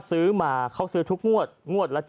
ซื้อมาเขาซื้อทุกงวด